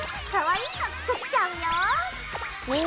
かわいいの作っちゃうよ！